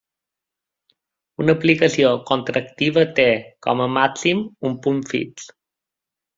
Una aplicació contractiva té, com a màxim, un punt fix.